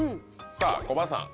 さぁコバさん。